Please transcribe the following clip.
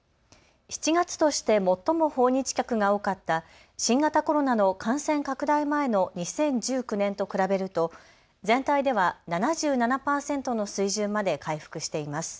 ７月として最も訪日客が多かった新型コロナの感染拡大前の２０１９年と比べると全体では７７％の水準まで回復しています。